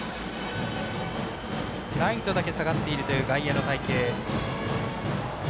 ライトだけ下がっているという外野の隊形。